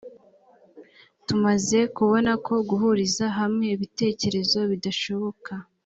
tumaze kubona ko guhuriza hamwe ibitekerezo bidashoboka